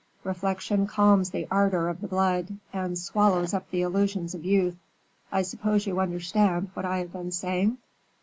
Reflection calms the ardor of the blood, and swallows up the illusions of youth. I suppose you understand what I have been saying?"